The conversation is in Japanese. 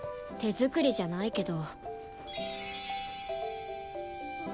手作りじゃないけど。